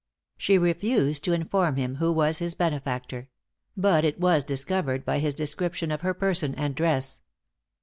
She refused to inform him who was his benefactor; but it was discovered by his description of her person and dress.